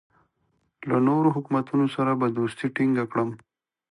له نورو حکومتونو سره به دوستي ټینګه کړم.